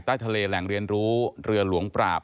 ใต้ทะเลแหล่งเรียนรู้เรือหลวงปราบ